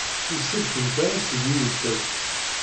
Ur sellkent ara seg uweddeb.